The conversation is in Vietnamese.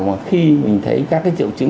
mà khi mình thấy các cái triệu chứng